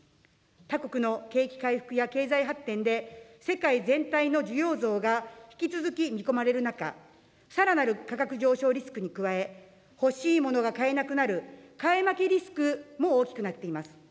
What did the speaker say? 他国の景気回復や経済発展で世界全体の需要増が引き続き見込まれる中、さらなる価格上昇リスクに加え、欲しいものが買えなくなる、買い負けリスクも大きくなっています。